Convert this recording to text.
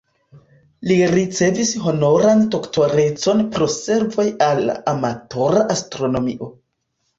Li ricevis honoran doktorecon pro servoj al la amatora astronomio.